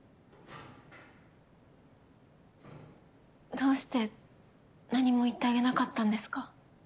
どうして何も言ってあげなかったんですか？